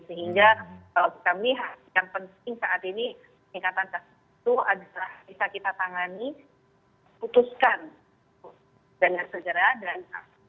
sehingga kalau kita melihat yang penting saat ini peningkatan kasus itu adalah bisa kita tangani putuskan benar segera dan